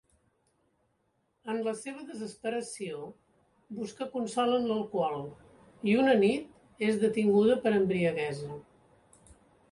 En la seva desesperació, busca consol en l'alcohol i una nit és detinguda per embriaguesa.